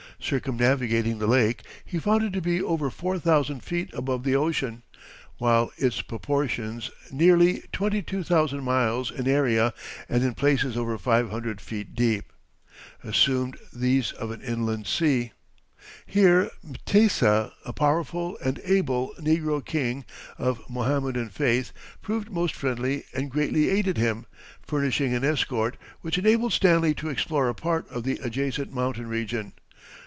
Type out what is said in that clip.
Circumnavigating the lake, he found it to be over four thousand feet above the ocean, while its proportions nearly twenty two thousand miles in area and in places over five hundred feet deep assumed those of an inland sea. Here Mtesa, a powerful and able negro king, of Mohammedan faith, proved most friendly and greatly aided him, furnishing an escort, which enabled Stanley to explore a part of the adjacent mountain region.